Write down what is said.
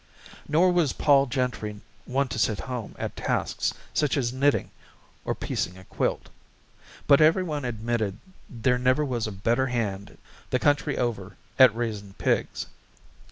Nor was Pol Gentry one to sit home at tasks such as knitting or piecing a quilt. But everyone admitted there never was a better hand the country over at raising pigs.